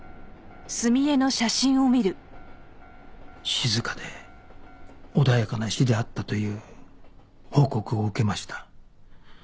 静かで穏やかな死であったという報告を受けました